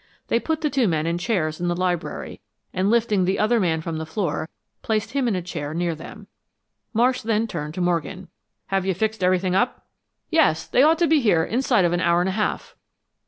They put the two men in chairs in the library, and lifting the other man from the floor placed him in a chair near them. Marsh then turned to Morgan. "Have you fixed everything up?" "Yes, they ought to be here inside of an hour and a half."